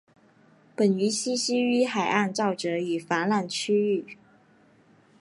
本鱼栖息于海岸沼泽与泛滥区域。